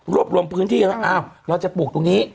รวบรวมพื้นที่เราจะปลูกตรงนี้